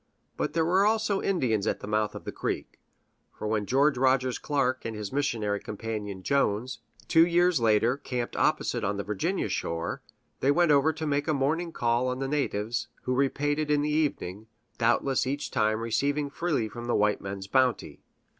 But there were also Indians at the mouth of the creek; for when George Rogers Clark and his missionary companion, Jones, two years later camped opposite on the Virginia shore, they went over to make a morning call on the natives, who repaid it in the evening, doubtless each time receiving freely from the white men's bounty.